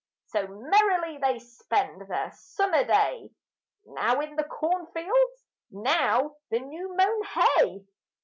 So merrily they spend their summer day, Now in the cornfields, now the new mown hay.